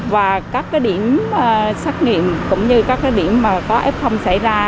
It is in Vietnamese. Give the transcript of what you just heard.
và các cái điểm xét nghiệm cũng như các cái điểm mà có f xảy ra